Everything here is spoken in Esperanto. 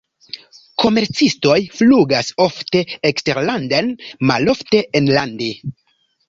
Komercistoj flugas ofte eksterlanden, malofte enlande.